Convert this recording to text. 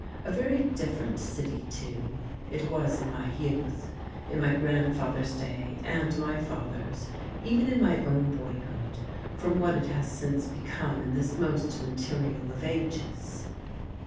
A very different city, too, it was in youth, in my grandfather's day and my father's, even in my own boyhood, from what it has since become in this most material of ages.